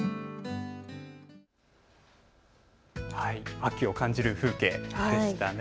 秋を感じる風景でしたね。